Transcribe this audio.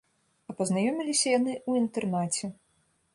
А пазнаёміліся яны ў інтэрнаце.